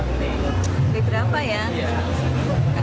beli berapa ya